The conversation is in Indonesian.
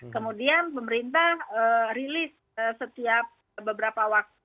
kemudian pemerintah rilis setiap beberapa waktu